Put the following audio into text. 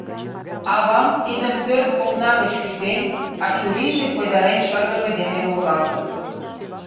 Авам тидым пӧрт окна гыч кӱтен, а чурийже койдарен шыргыжме дене волгалтын.